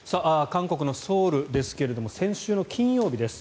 韓国のソウルですが先週の金曜日です。